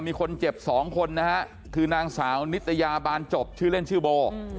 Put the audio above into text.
มีคนเจ็บ๒คนนะฮะคือนางสาวนิตยาบานจบชื่อเล่นชื่อโบ